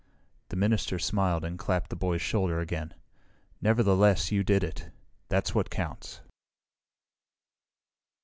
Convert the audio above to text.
The minister smiled and clapped the boy's shoulder again. "Nevertheless, you did it. That's what counts."